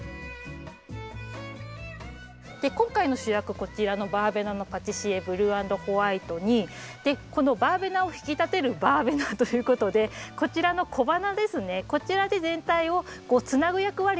こちらのバーベナのパティシエブルー＆ホワイトにこのバーベナを引き立てるバーベナということでこちらの小花ですねこちらで全体をつなぐ役割も。